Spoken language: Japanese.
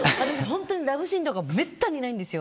本当にラブシーンとかめったにないんです。